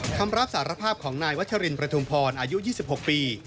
คำรับสารภาพของนายวัชรินประทุมพรอายุ๒๖ปี